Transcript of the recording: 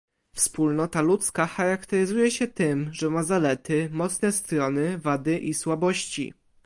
Wspólnota ludzka charakteryzuje się tym, że ma zalety, mocne strony, wady i słabości